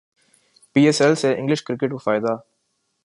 پی S L سے English cricket کو فائدہ